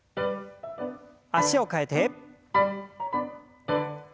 脚を替えて。